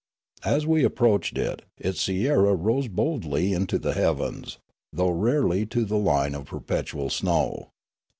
As we approached it, its sierra rose boldly into the heavens, though rarely to the line of perpetual snow.